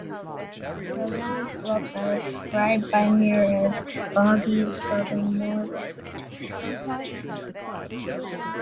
The lower slopes are described by Muir as "boggy, sodden moorland".